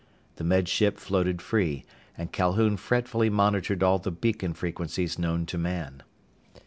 The Med Ship floated free, and Calhoun fretfully monitored all the beacon frequencies known to man.